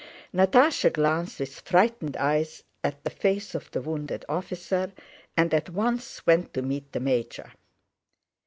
Natásha glanced with frightened eyes at the face of the wounded officer and at once went to meet the major.